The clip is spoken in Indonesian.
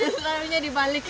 yang paling favoritnya dibalik